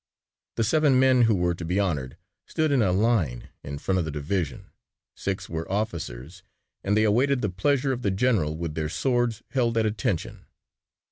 The seven men who were to be honored stood in a line in front of the division. Six were officers and they awaited the pleasure of the general with their swords held at attention.